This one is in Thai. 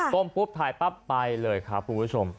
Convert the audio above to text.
้มปุ๊บถ่ายปั๊บไปเลยครับคุณผู้ชม